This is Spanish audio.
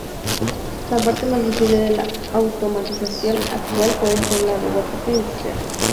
La parte más visible de la automatización actual puede ser la robótica industrial.